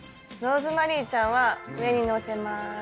ローズマリーちゃんは上にのせます。